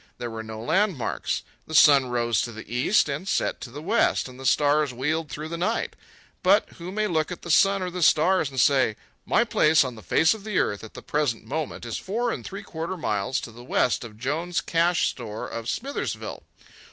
There were no landmarks. The sun rose to the east and set to the west and the stars wheeled through the night. But who may look at the sun or the stars and say, "My place on the face of the earth at the present moment is four and three quarter miles to the west of Jones's Cash Store of Smithersville"?